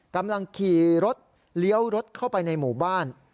กำลังขี่รถเลี้ยวรถเข้าไปในหมู่บ้าน